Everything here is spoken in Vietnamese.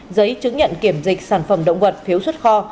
giấy chứng nhận kiểm dịch sản phẩm động vật phiếu xuất kho